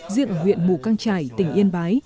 riêng huyện mù căng trải tỉnh yên bái